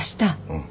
うん。